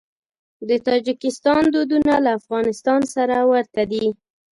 د تاجکستان دودونه له افغانستان سره ورته دي.